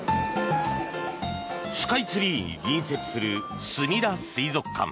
スカイツリーに隣接するすみだ水族館。